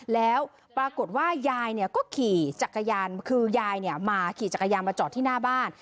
แล้วปรากฏว่ายายเนี่ยก็ขี่จักรยานคือยายมาขี่จักรยานมาจอดที่หน้าบ้าน